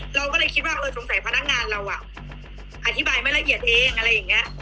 เราก็เลยคิดว่าเออสงสัยพนักงานเราอธิบายไม่ละเอียดเองอะไรอย่างนี้